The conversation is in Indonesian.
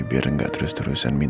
biar gak terus terusan minum